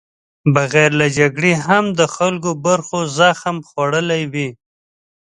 بغیر له جګړې هم د خلکو برخو زخم خوړلی وي.